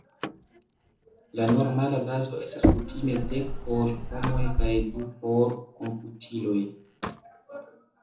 La normala bazo estas kutime dek por homoj kaj du por komputiloj.